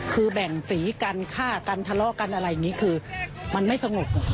คือแบ่งสีกันฆ่ากันทะเลาะกันอะไรอย่างนี้คือมันไม่สงบ